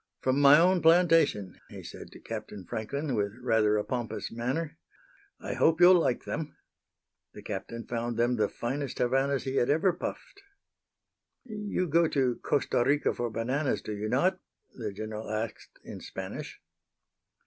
"From my own plantation," he said to Captain Franklin, with rather a pompous manner. "I hope you'll like them." The Captain found them the finest Havanas he had ever puffed. "You go to Costa Rica for bananas, do you not?" the General asked in Spanish.